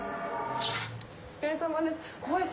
お疲れさまです。